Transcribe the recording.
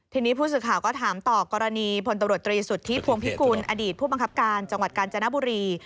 ทีนี้ผู้สื่อข่าวก็ถามต่อกรณีพลตำรวจตรีสุทธิพวงพิกุลอดีตผู้บังคับการจังหวัดกาญจนบุรี